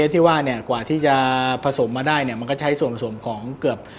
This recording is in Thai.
มีความหอมกว่าดังทีเลยนะครับ